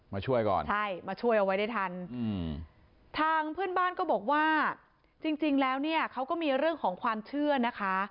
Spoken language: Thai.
มาช่วยก่อนใช่มาช่วยเอาไว้ได้ทันทางเพื่อนบ้านก็บอกว่าจริงแล้วเนี่ยเขาก็มีเรื่องของความเชื่อนะคะ